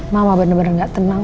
mama bener bener gak tenang